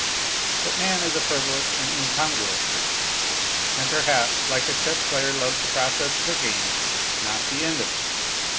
But man is a frivolous and incongruous creature, and perhaps, like a chess player, loves the process of the game, not the end of it.